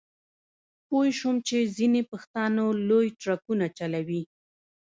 پوی شوم چې ځینې پښتانه لوی ټرکونه چلوي.